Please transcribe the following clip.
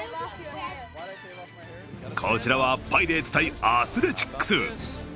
こちらはパイレーツ×アスレチックス。